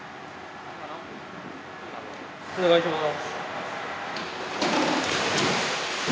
お願いします。